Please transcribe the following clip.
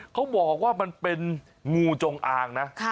เขาบอกว่ามันเป็นงูจงอางนะ